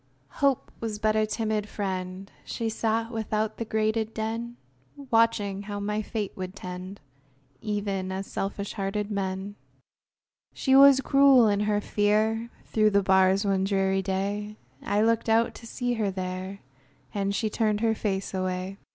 Hope Was but a timid friend; She sat without the grated den, Watching how my fate would tend, Even as selfish hearted men. She was cruel in her fear; Through the bars one dreary day, I looked out to see her there, And she turned her face away!